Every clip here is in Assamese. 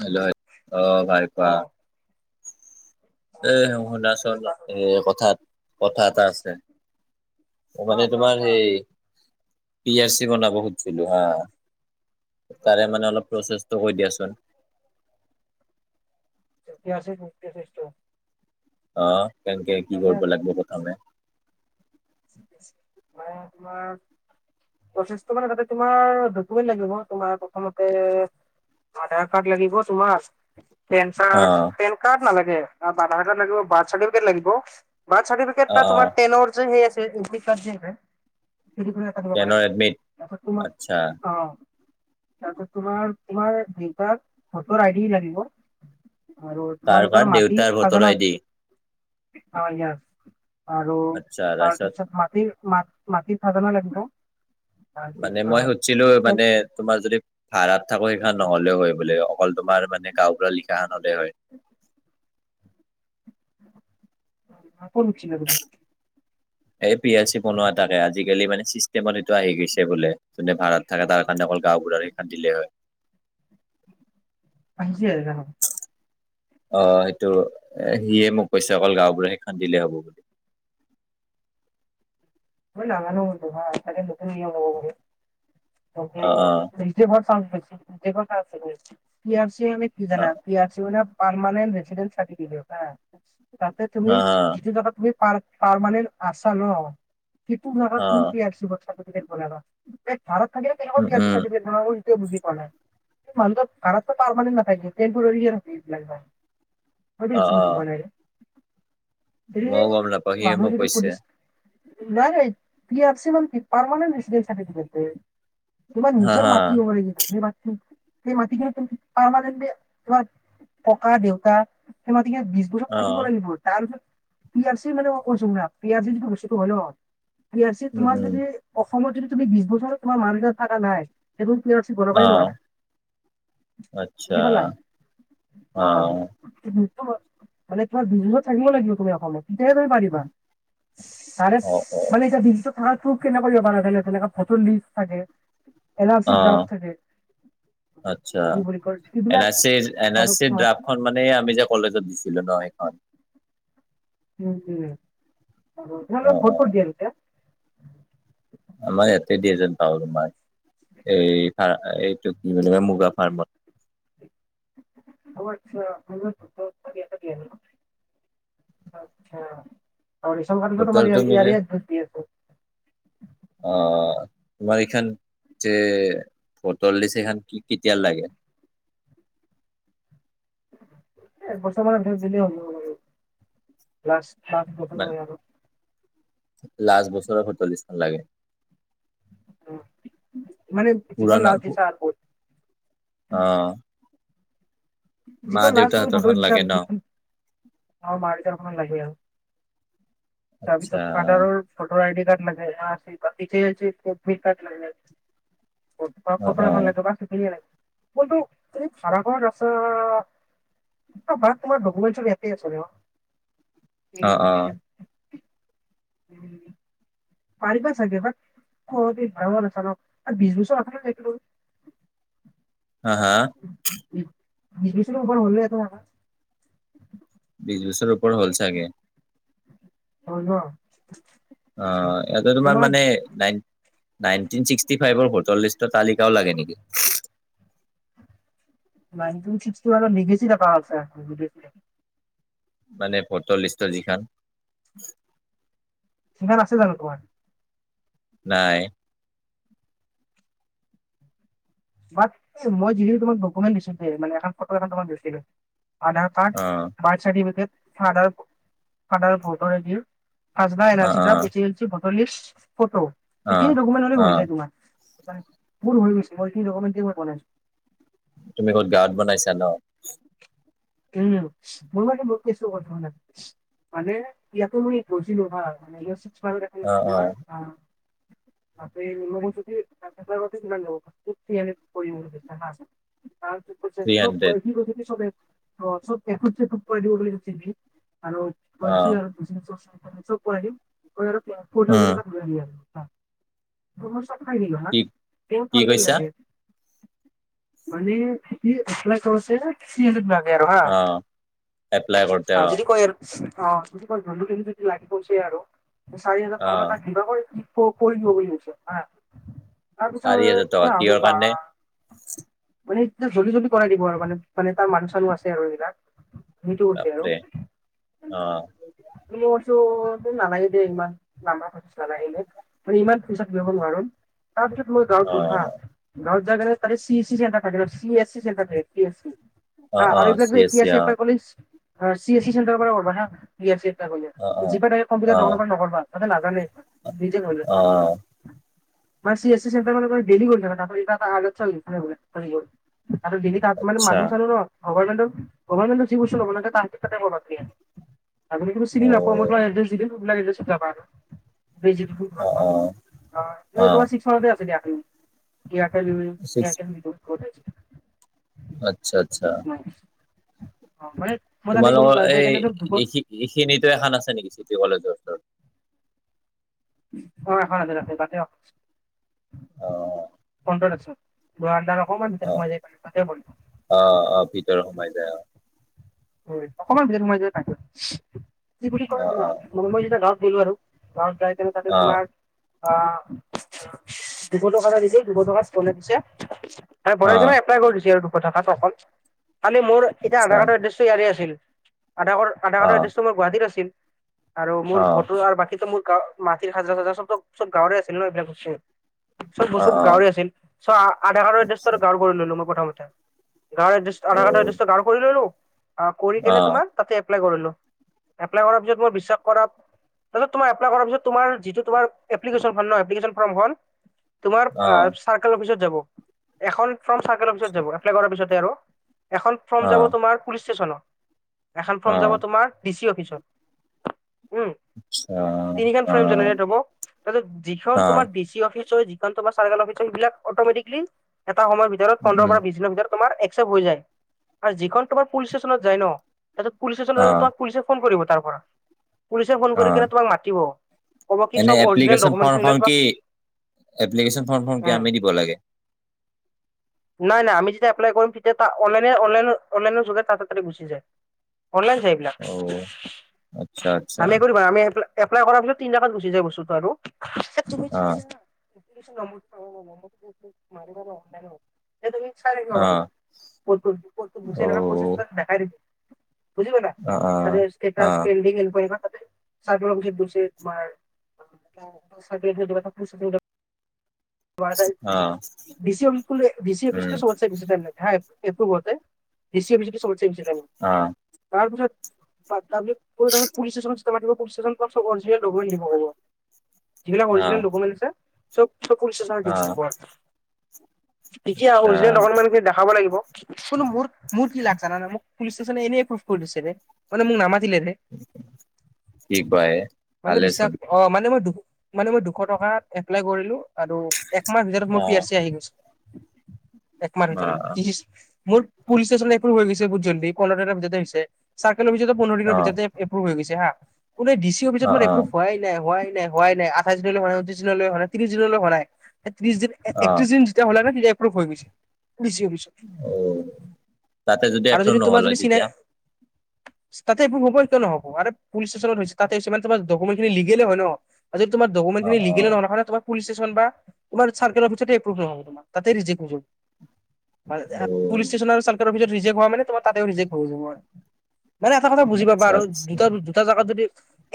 হেল্ল অ', [unintelligible] অ', এ শুনাচোন [unintelligible] কথাত-কথাত। আছে। অ', মানে কৰা তোমাৰ কৰা সেই পি আৰচি বনাব হা, তাৰে অ', মানে অলপ প্ৰচেছটো কৈ দিয়াচোন? যেতিয়া আছে [inaudible] অ', কেনেকে কি কৰিব লাগিব প্ৰথমে? মানে তোমাৰ প্ৰচছটো মানে তাতে তোমাৰ ডকুমেন্ট লাগিব ন তোমাৰ প্ৰথমতে আধাৰ কাৰ্ড লাগিব তোমাক। পেন অ কাৰ্ড-পেন কাৰ্ড নেলাগে, আধাৰ কাৰ্ড লাগি, বাডচাটিফিকেট লাগিব, বাডচাটিফিকেট অ অ তোমাৰ টেনৰ যে, এডমিট কাৰ্ড [inaudible] [inaudible] টেনৰ এডমিট তাৰপিছত তোমাক, আচ্ছা অ'। তাৰপিছত তোমাৰ-তোমাৰ দেউতাৰ ভটৰ আইডি লাগিব। আৰু কাৰ তোমালোকৰ কাৰ মাটিৰ দেউতাৰ ভোটৰ খাজানা, আই ডি [inaudible] আৰু। তাৰপিছত মাটিৰ-মাটিৰ খাজানা লাগিব। মানে তাৰপিছত মই সুধছিলোঁ এ- মানে তোমাৰ যদি ভাড়াত থাকোঁ সেইখন নহ'লেও হয় বোলে, অকল তোমাৰ মনে গাঁওবুঢ়া লিখা খন হলে হয়। আ, কৌত সুধিছিলা তুমি? [unintelligible] [inaudible] এই পি এ চি বনোৱা তাতে, আজিকালি মানে চিষ্টেমত সেইটো আহি গৈছে বোলে, যোনে ভাৰত থাকে তাৰ কাৰণে অকল গাঁও বুঢ়াৰ এইখন দিলে হয়। আহিছে [unintelligible] অ', সেইটো সিয়ে মোক কৈছে অকল গাওঁ বুঢ়া সেইখন দিলেই হ'ব বুলি। মই নাজানোঁ এইটো হা, চাগে নতুন নিয়ম হ'ব পাৰে। অ অ [inaudible] পি আৰ চি আমি অ কিজানা, পি আৰ চি মানে পাৰমানণ্ট ৰেছিডেন্ চাটিফীকেড হা, তাতে তুমি, হা হা যিটো জাগাত তুমি পাৰমানেন্ত আছা ন? যিতো অ [inaudible] তুমি পি আৰ চি চাৰ্টিফিকেট বনালা, এই ভাৰত থাকিলে কেনে কৈ উম পি আৰ চি উম চাৰ্টিফিকেট বনাবা হেতুৱে বুজি পোৱা নাই। মানুহ ত ভাৰততো পাৰমানেণ্ট নথাকে টেম্পৰেৰী হে থাকে এইবিলাক [unintelligible] অ অ [inaudible] [unintelligible] গতিকে মইও গম নাপাওঁ, হীয়ে মানুহ মোক যিটো কৈছে। পুলিচ নাই পি আৰ চি মান কি, পাৰমানেণ্ট দিছে চাৰ্টিফিকেট। তোমাৰ হা নিজৰ হা মাটি হব লাগিব, সেই মাটি সেই মাটিখিনি তুমি পাৰমানেনট তোমাৰ ককা, দেউতা, সেই মাটিখিনি দিজ অ দুচত থাকিব লাগিব তাৰ পিছত, পি আৰ চি মানে মই কৈছো শুনা। পি আৰ চি যিটো বস্তুটো হ'ল ন প আৰ চি উম তোমাৰ উম যদি অসমত যদি তুমি বিশ বছ তোমাৰ মা দেউতা থকা নাই তুমি পি আৰ চি অ বনাবৈ নোৱাৰা। আচ্ছা বুজি পালা? অ'। [unintelligible] মানে তোমাৰ বিছ বছৰ থাকিব লাগিব তুমি অসমত। তেতিয়াহে তুমি পাৰিবা। অ [unintelligible] অ মানে এতিয়া [unintelligible] থকাৰ প্ৰুফ কেনেকৈ দিব পাৰা যেনেকা ফটৌ লিষ্ট থাকে। এন আৰ অ চি ড্ৰাফ্ট থাকে। আচ্ছা, কি বুলি কয় এন এইবিলাক R C N R C draft খন মানে এই আমি যে কলেজত দিছিলোঁ ন সেইখন? উম, অ তোমালোকৰ অ ভোট কত দিয়া তাতে? আমাৰ ইয়াতে ডিয় এ যেন পাওঁ তোমাৰ, এই এইটো কি বুলি ক মুগা ফাৰ্মত। অ', আচ্ছা, [inaudible] আচ্ছা। আৰু ৰেচন কাৰ্ডত টো ভোটৰ তোমাৰ তুমি যে ইয়াৰে-ইয়াৰে এড্ৰেছ দিয়া আছে? অ', তোমাৰ এইখন যে ফটৰ লিষ্ট সখন কি কেতিয়া লাগে? এ এক বছৰ মানে [unintelligible] আৰু [unintelligible] লাষ্ট বছৰৰ ভোটাৰ লিষ্ট খন লাগে? উম, মানে যিখন লাষ্ট দিছা আৰু ভট। অ'। যিখন লষ্ট তুমি দেউতাহঁতৰখন [unintelligible] দিছা লাগে ন যিখন অ', মা দেউতাৰ [unintelligible] লগে আৰু। তাৰ আচ্ছা পিছত ফাদাৰৰ ভোটাৰ আই ডি কাৰ্ড লাগে [unintelligible] কাৰ্ড লাগে। অ অ [unintelligible] সিখিনিয়ে লাগে, কিন্তু তুমি ভাৰা ঘৰত আছা অ', ভাৰত তোমাৰ ডকুমেণ্টছ চব ইয়াতে আছে ন? অ অ উম। উম। পাৰিবা চাগে বাত [unintelligible] ভৰা ঘৰত আছা ন? আৰু বিছ বছৰ [inaudible] [inaudible] হা বিছ বছৰ [inaudible] বিচ বছৰ ওপৰত হ'ল চাগে? হল ন? আচ্ছা, অ', ইয়াতে তোমাৰ মানে নাইন নাইনটিন ছিক্সটি ফাইভৰ ভোটৰ লিষ্টৰ তালিকাও লাগে নেকি। নাইনটিন ছিক্সটি ওৱানত নিগেছি দেখা হৈছে নিগেছি মানে ভোটৰ লিষ্টৰ যিখন। [unintelligible] আছে জানো তোমাৰ। নাই। বাত মই যিখিনি তোমাক ডকুমেণ্ট দিছো যে, মানে এখন ফটো এখন তোমাক দিছিলোঁ। আধাৰ কাৰ্ড, অ birth certificate, father- father voter ID. অ অ [unintelligible] ভোটৰ লিষ্ট, ফটো, অ এইখিনি ডকুমেণ্ট হ'লে অ হৈ যায় তোমাৰ। পাই, মোৰ হৈ গৈছে মই এইখিনি ডক'মেণ্টচ দি মই বনাইচো। তুমি ক'ত গাঁৱত বনাইছা ন। উম, মোৰ মানে বহুত। [unintelligible] মানে ইয়াতো মই গৈছিলো হা, মানে [unintelligible] ছিক্স [unintelligible] অ অ থ্ৰী হাণ্ড্ৰেড [unintelligible] তোমাৰ [unintelligible] [unintelligible] অ', চব এখোত চেখুত [unintelligible] আৰু অ কৈছোঁ আৰু। [unintelligible] ত', মই চব খাই দিলো হা, কি তেওঁ কি [unintelligible] কৈছা মানে ই এপ্লাই কৰোঁতে [unintelligible] আৰু হা, অ এপ্লাই কৰোতে অ', যদি কয় আৰু অ', যদি কয় [unintelligible] আৰু চাৰি হাজাৰ অ টকা এটা তাক দিবা গৈ। [unintelligible] ভাবিছে হা, তাৰপিছৰ চাৰি হাজাৰ টকা কিহৰ কাৰণে মানে একদম জল্দি-জল্দি কৰাই দিব আৰু মানে-মানে তাৰ মানুহ চানুহ আছে আৰু এইবিলাক। [unintelligible] উঠে আৰু। বাপৰে অ মই কৈছোঁ, তুমি নালাগে দিয়া ইমান [unintelligible] মানে ইমান পইচা [unintelligible] নোৱাৰো, তাৰ পিছত মই গাঁৱত অ গ'লো হা। গাঁৱত যায় কিনে তাৰে চি এচ চি চেন্টাৰ থাকে ন, চি এছ চি চেন্টাৰ থাকে চি এছ চি। অ', আৰু এইবিলাক চি যে এছ কি চি আছে অ [unintelligible] কলেজ অ', চি এছ চি চেনটাৰৰ পৰা কৰবা হা, অ অ অ [unintelligible] নকৰবা, তাতে নাজানে। [unintelligible] অ মানে চি এছ চি চেণ্টাৰৰ পৰা মানে ডেইলী কৰি [unintelligible] মানে আচ্ছা মানুহ চানুহ ন গভৰ্মেটৰ, গভৰ্মেটটো ঠিক হৈছে ন, আপোনালোকে তাতে কৰবা লাগে। আপুনি কিন্তু চিনি অ নাপাব, মই তোমাক এড্ৰেছ দি দিম [unintelligible] এড্ৰেছটোত যাবা আৰু। অ অ [unintelligible] অ', এই তোমাৰ ছিক্স মাইলতে আছে দিয়া। ছিক্স [unintelligible] আচ্ছা- আচ্ছা। অ', মানে মই তাতে [unintelligible] এইখিনিতে এখন আছে নেকি, চিটি কলেজৰ ওচৰত। অ', এখন আছে তাতে-তাতে আছে, অ ফ্ৰণ্টত আছে। [unintelligible] অকমান অ ভিতৰ সোমাই যায়, তাতে কৰিম। অ', অ', ভিতৰত সোমাই যায় অ'। হয়, অকমান ভিতৰত সোমাই যায় [unintelligible] কি বুলি অ কয় অ শুনক, মই যেতিয়া গাঁৱত গ'লো আৰু গাঁৱত যায় কেনে তাতে অ অ তোমাৰ আ দুশ টকা এটা দিছে, দুশ টকা [unintelligible] দিছে। অ [unintelligible] নে এপলাই কৰি দিছে আৰু দুশ টকাত অকল, খালি মোৰ এতিয়া আচ্ছা আধাৰ কাৰ্ডৰ এড্ৰেছ টো ইয়াৰে আছিল, আধাৰ কাৰ্ড আধাৰ অ কাৰ্ডৰ এড্ৰেছ মোৰ গুৱাহাটীত আছিল। আৰু মোৰ অ ফটো আৰু বাকীতো মোৰ গাঁ মাটিৰ খাজানা চাজনা চব-চব গাঁৱৰে আছিল ন এইবিলাক বস্তু। চব অ বস্তু অ গাঁৱৰে আছিল, চ আধাৰ কাৰ্ডৰ এড্ৰেছ আচ্ছা গাঁৱৰ কৰি ললোঁ মই প্ৰথমতে। গাঁৱৰ এড্ৰেছ আধা কাৰ্ডৰ এড্ৰেছ টো গাঁৱৰ কৰি ললোঁ। কৰি কেনে তোমাৰ তাতে এপ্লাই কৰিলোঁ, এপলাই কৰা পিছত মুক বিশ্বাস কৰা তাৰপাছত তোমাৰ এপ্লাই কৰাৰ পাছত তোমাৰ যিটো তোমাৰ এপ্লিকেচন খন ন, এপ্লিকেচন ফৰম খন তোমাৰ চাৰ্কোল অফিচত যাব, এখন ফ্ৰম চাৰ্কোল অফিচত যাব এপ্লাইড কৰা পিছতে আৰু। এখন ফ্ৰৰ্ম যাব তোমাৰ পুলিচ ষ্টেচনত, এখন ফ্ৰৰ্ম যাব তোমাৰ ডি চি অফিচত। উম, তিনিখন ফ্ৰম জেনেৰেট হ'ব। তাৰপিছত যিখন তোমাৰ অফিচ হয় যি খন তোমাৰ চাৰ্কোল অফিচছ হয় এইবাক অট'মেটিকেলি এটা সময়ৰ ভিতৰত পোন্ধৰ পৰা বিশ দিনৰ ভিতৰত তোমাৰ একচেপ্ট হৈ যায়। আৰু যিখন তোমাৰ পুলিচ ষ্টেচনত যায় ন, হেতুত পুলিচ ষ্টেচনত তোমাক পুলিচে ফোন কৰিব তাৰ পৰা, পুলিচে ফোন কৰি কেনে তোমাক মাতিব। ক'ব কি এনে চব অৰিজিনেল এপ্লিকেশন ডকুমেণ্টখিনি লৈ ফৰ্মখন তোমাক কি, এপ্লিকেশন ফৰ্মখন কি উম আমি দিব লাগে? নাই-নাই আমি যেতিয়া এপ্লাই কৰিম তেতিয়া অনলাইন-অনলাইন-অনলাইনৰ যোগেদি তহঁতৰ তাতে গুচি য়ায। অনলাইন যাই এইবিলাক। অ আচ্ছা আচ্ছা আমি একো দিব নালাগে আমি এপ্লাইড এপলাই কৰা তিনটাকাত গুচি যায় বস্তু আৰু। এই তুমি অ তেতিয়া [unintelligible] অ [unintelligible] বুজি পাইছানাই? অ অ তাতে অ ষ্টেটাছ, পেণ্ডিং, এংকুৱাইৰী বা তাতে চাৰ্কোল অফিচত‌ গৈছে তোমাৰ [inaudible] অ দি চি অফিচ [unintelligible] দি চি অফিচটো উম সৱৎসে বেছি টাইম লাগে হা। এপ্ৰভ হওঁতে, দি চি অফিচত সবৎসে বেছি টাইম লাগে। অ তাৰপিছত তাৰপিছত পুলিচ ষ্টেচনত [unintelligible] পুলিচ ষ্টেচনত তোমাক [unintelligible] যিবিলাক অ অৰিজিনেল ডকুমেণ্ট আছে চব-চব পুলিচ অ ষ্টেচনত [unintelligible] তেতিয়া আচ্ছা অৰিজিনেল ডকোমেন্ট খিনি দেখাব লাগিব, কিন্তু মোৰ-মোৰ কি লাক জানানা মোক পুলিচ ষ্টেচনে এনেই প্ৰুভ কৰি দিছিলে। মানে মোক নামাতিলে ৰে। কি কুৱা এ? মানে বিশ্বাস ভালেশুন। অ', মানে মই-মানে মই দুশ টকাত এপ্লাই কৰিলোঁ আৰু একমাহ ভিতৰত মোৰ অ পি আৰ চি আহি গৈছে। একমাহৰ অ ভিতৰত [unintelligible] মোৰ পুলিচ ষ্টেচন এপ্ৰুৱ হৈ গৈছে বহুত জল্দি, [unintelligible] আপডেট আহিছে। চাৰকুল অফিচতো পন্ধৰ অ দিনৰ ভিততে এপ্ৰভ হৈ গৈছে হা, কিন্তু ডি চি অফিচত অ মুৰ এপ্ৰুভ অ হোৱাই নাই হোৱাই নাই হোৱা নাই, আঠাইছ দিনলৈ হোৱা নাই, ঊত্ৰিছ দিনলৈ হোৱাই নাই, ত্ৰিশ দিনলৈ হোৱা নাই, এ ত্ৰিশ দিন একত্ৰিশ দিন যেতিয়া হ'ল ন তেতিয়া এপ্ৰভ হৈ গৈছে। ডি চি অফিচত। অ তাতে আৰু এপ্ৰুভ যদি তোমাৰ নহ'ল হয় যদি চিনাই তেতিয়া তাতে এপ্ৰুভ হ'বই কিয় নহ'ব আৰু পুলিচ ষ্টেচনত হৈছে ততে হৈছে মানে তোমাৰ ডকুমেট খিনি লিগেলে হয় ন? যদি তোমাৰ দকোমেন্ট অ খিনি অ লিগেল [unintelligible] পুলিচ ষ্টেচন বা তোমাৰ চাৰ্কোল অফিচতে এপ্ৰোভ নহব তোমাৰ তাতে ৰিজেক্ট হৈ যাব। অ পুলিচ ষ্টেচন আৰু চাৰ্কোল অফিচত ৰিজেক হোৱা মানে তোমাৰ তাতেও ৰিজেক্ট হৈ যাব আৰু। মানে এটা কথা বুজি পাবা আচ্ছা আৰু আচ্ছা দুত এটা জেগাত যদি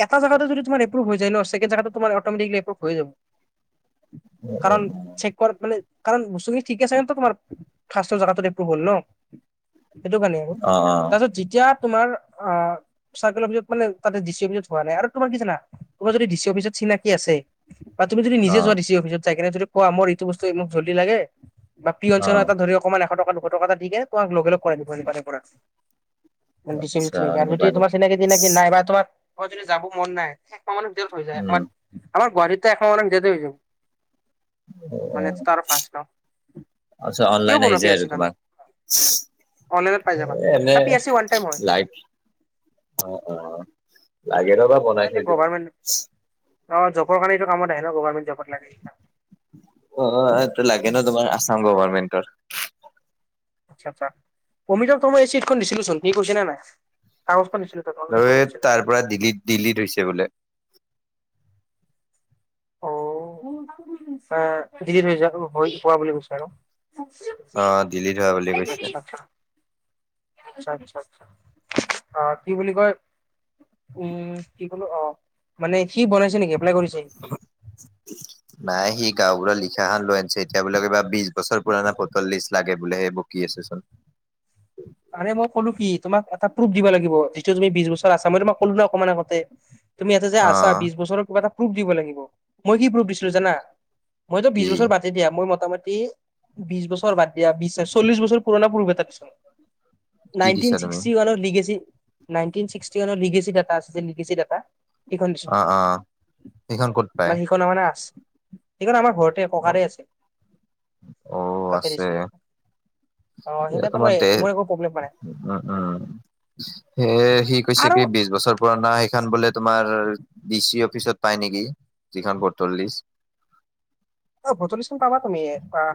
এটা জেগাতু যদি তোমাৰ এপ্ৰুভ হৈ যায় ন, চেকন্ড জেগাটোত তোমাৰ অটমেটিকেলি এপ্ৰুভ হৈ যাব। উম, উম, কাৰণ উম, চেক মানে কাৰণ বস্তু খিনি ঠিকে আছে কাৰণতে টো তোমাৰ ফাৰ্ষ্ট জাগাত এপ্ৰুভ হল ন? সেইটো কাৰণেই আৰু। অ', অ', তাৰপিছত যেতিয়া তোমাৰ আহ চাৰ্কোল অফিছত মানে তাতে ডি চি অফিছত হোৱা নাই, আৰু তোমাৰ কি জানা? তোমাৰ যদি ডি চি অফিছত চিনাকি আছে, বা তুমি যদি নিজে অ', যোৱা ডি চি অফিচত যায় কিনে যদি কোৱা মুৰ এইটো বস্তু মোক জল্দি লাগে বা পিয়ন চিয়ন অ', এটাক ধৰি অকমান এশ টকা দুশ টকা এটা কিনে তোমাক লগে লগ কৰাই দিব পাৰে [unintelligible] পৰা। [unintelligible] আৰু আচ্ছা যদি সেনেকুৱা তোমাৰ নেকি? চিনাকি টিনাকি নাই বা তোমাৰ যদি যাব মন নাই [unintelligible] হৈ যায়, উম, আমাৰ-আমাৰ গুৱাহাটীতটো এশ মানৰ ভিতৰতে হৈ যায়। অ', মানে অ', [unintelligible] আচ্ছা, কিয় অনলাইন আহি বনোৱা পি যায় আৰ আৰু চি খন তোমাক। অনলাইনত পাই যাবা এ এনে P R C one time হয় লাইক অ', অ', লাগে ৰ'বা বনাই থৈ [unintelligible] দিওঁ। গভাৰমেণ্ট, অ', জবৰ কাৰণে এইটো কামত আহে ন, গভৰমেন্ট জবত লাগে। অ', এটো লাগে ন তোমাৰ আছাম গভাৰ্ণমেণ্টৰ। আচ্ছা- আচ্ছা, অমিতক তোমাৰ এই চিটখন দিছিলোচোন, সি কৈছে নে নাই, কাগজখন দিছিলো। তাক কাগজত ঐ ফটো দিছিলো তাৰ পৰা দিগিত দিলিত হৈছে বোলে। আ দিলিত হৈ হোৱা বুলি কৈছে আৰু। অ', দিলিত হোৱা বুলি কৈছে। আচছা-আচ্ছা, অ', কি বুলি কয় উম, কি ক'লো অ', মানে সি বনাইছে নেকি এপ্লাই কৰিছে। নাই সি গাঁওবুঢ়া লিখা খন লৈ আনিছে, এতিয়া বোলে কিবা বিজ বছৰ পুৰনি ফটোৰ লিষ্ট লাগে বোলে, এই বকি আছে চোন। মানে মই ক'লো কি তোমক এটা প্ৰুফ দিব লাগিব, যিটো তুমি বিশ বছৰ আছা, মই তোমাক ক'লো ন অকমান আগতে। তুমি ইয়াতে যে আছা, অ', বিছ বছৰৰ কিবা এটা প্ৰুফ দিব লাগিব, মই কি প্ৰুফ দিছিলো জানা। মইতো বিছ কি বছৰ বা দেই দিয়া মোৰ মোটামুটি বিছ বছৰ বাদ দিয়া, বিছ চল্লিশ বছৰ পুৰণা প্ৰুভ এটা দিছো। কি নাইন্টিন দিছা তুমি? চিক্সটি ওৱানত লিগেছি, নাইন্টিন চিক্সি ওৱানৰ লিগেছি ডাতা আছে যে, লিগেছি ডাতা। সেইখন দিছো, অ', অ', সেইখন ক'ত পাই? মানে সেইখন মানে আছ, সেইখন আমাৰ ঘৰত তে ককাৰে অ', আছে, অ তাতে আছে। দিছিলো। অ', এ তেতিয়া তোমাৰ এই দে মোৰ একো প্ৰব্লেম পোৱা নাই উম, উম, এ সি কৈছে আৰু কি বি বিছ বছৰ পুৰণা সেইখন বোলে তোমাৰ ডি চি অফিচত পাই নেকি, যিখন ভোটৰ লিষ্ট। অ', ভোটৰ লিষ্টখন পাবা তুমি, কোৱা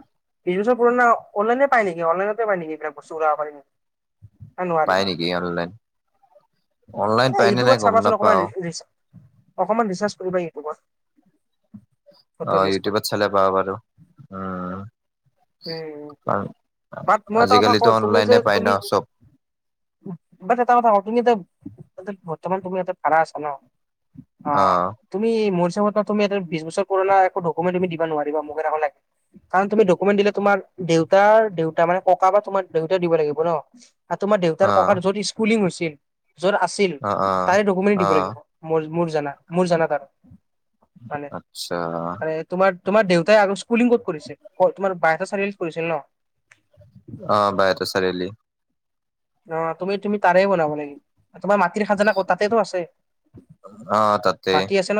বিছ বছৰ পুৰণা অনলাইনে পায় নেকি, অনলাইনতে পায় নেকি, বস্তু [unintelligible] না নোৱাৰে পাই নেকি অনলাইন- অনলাইন এ পায় নে নাই ইউটিউবত গম চাবাচোন অকমান নাপাওঁ। অকমান ৰিচাৰ্চ কৰিবা ইউটিউবত, ভোটৰ লিষ্টখন। ফালে পাওঁ বাৰু, উম। উম, কাৰণ বাট মই এটা কথা আজিকালিতো কওঁ, তুমি যে অনলাইনে পাই ন তুমি চব বাট এটা কথা কোৱা, তুমি এতিয়া বৰ্তমান তুমি ইয়াতে ভাড়া আছা ন। অ'। তুমি মোৰ হিচাপৰ পৰা তুমি বিছ বছৰ পুৰণা একো ডকুমেণ্ট তুমি দিব নোৱাৰিবা মোক এনে ক'লে, কাৰণ তুমি দ অকমান দিলে তোমাৰ দেউতাৰ দেউতা মানে ককা বা তোমাৰ দেউতাই দিব লাগিব ন। আৰু তোমাৰ দেউতাৰ অ ককাৰ য'ত স্কুলিং হৈছিল, য'ত আছিল, অ অ তাৰে ডকুমেণ্ট অ দিব লাগিব। মোৰ- মোৰ জানা, মোৰ জানাতাৰ, মানে- আচ্ছা মানে তোমাৰ- তোমাৰ দেউতাই আৰু স্কুলিং ক'ত কৰিছিল, তোমাৰ বাইহাটা চাৰিআলিত কৰিছিল ন। অ', বাইহাটা চাৰিআলি। অ', তুমি- তুমি তাৰে বনাব লাগে, তোমাৰ মাটিৰ খাজানা ক'ত তাতেটো আছে। অ', তাতে। মাটি আছে ন